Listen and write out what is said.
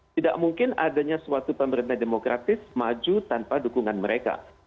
tidak mungkin adanya suatu pemerintah demokratis maju tanpa dukungan mereka